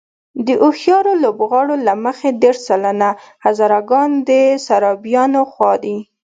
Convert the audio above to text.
د هوښیارو لوبغاړو له مخې دېرش سلنه هزاره ګان د سرابيانو خوا دي.